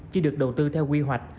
chỉ được đầu tư theo quy hoạch